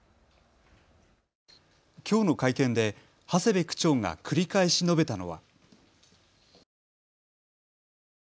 きょうの会見で長谷部区長が繰り返し述べたのは。